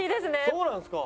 そうなんですか。